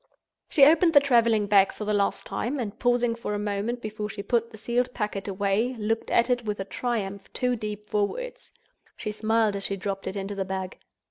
She opened her traveling bag for the last time, and pausing for a moment before she put the sealed packet away, looked at it with a triumph too deep for words. She smiled as she dropped it into the bag.